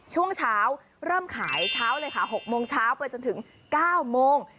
ช่วงเช้าเริ่มขายเช้าเลยค่ะ๖โมงเช้าไปจนถึง๙โมง